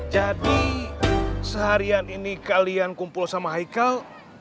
jadi seharian ini kalian kumpul sama haikal